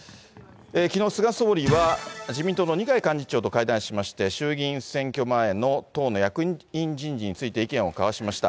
きのう、菅総理は、自民党の二階幹事長と会談しまして、衆議院選挙前の党の役員人事について意見を交わしました。